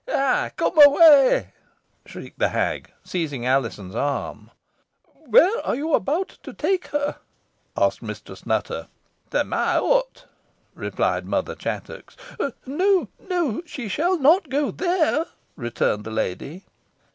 "Ay, come away!" shrieked the hag, seizing Alizon's arm. "Where are you about to take her?" asked Mistress Nutter. "To my hut," replied Mother Chattox. "No, no she shall not go there," returned the lady.